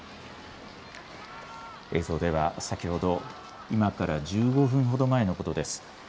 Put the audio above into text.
映像では先ほど、今から１５分ほど前のことです。